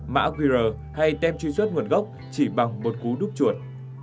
mã qr hay tem truy xuất nguồn gốc chỉ bằng một cú đúc chuột